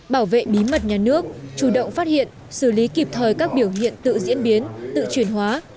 bảo vệ bí mật nhà nước chủ động phát hiện xử lý kịp thời các biểu hiện tự diễn biến tự chuyển hóa